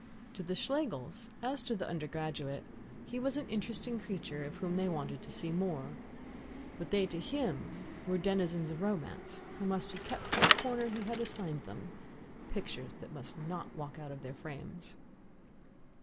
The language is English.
To the Schlegels, as to the undergraduate, he was an interesting creature, of whom they wanted to see more. But they to him were denizens of Romance, who must keep to the corner he had assigned them, pictures that must not walk out of their frames.